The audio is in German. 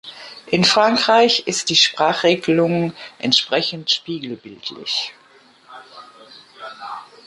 In Frankreich ist die Sprachregelung entsprechend spiegelbildlich.